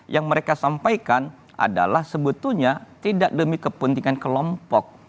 yang mereka sampaikan adalah sebetulnya tidak demi kepentingan kelompok